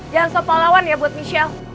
jangan soal pahlawan ya buat michelle